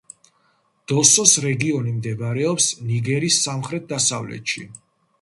დოსოს რეგიონი მდებარეობს ნიგერის სამხრეთ-დასავლეთში.